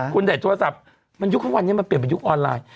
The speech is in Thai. คุณได้โทรศัพท์มันยุคข้างวันนี้มันเปลี่ยนเป็นยุคออนไลน์